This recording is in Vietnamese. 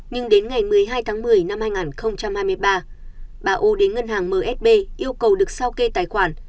nhưng đến ngày một mươi hai tháng một mươi năm hai nghìn hai mươi ba bà ô đến ngân hàng msb yêu cầu được sao kê tài khoản